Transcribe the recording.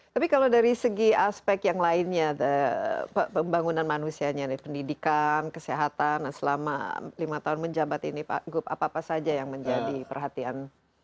tapi kalau dari segi aspek yang lainnya pembangunan manusianya dari pendidikan kesehatan selama lima tahun menjabat ini pak gup apa apa saja yang menjadi perhatian